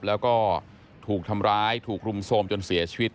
แล้วก็ถูกทำร้ายถูกรุมโทรมจนเสียชีวิต